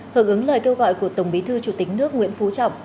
hợp ứng lời kêu gọi của tổng bí thư chủ tịch nước nguyễn phú trọng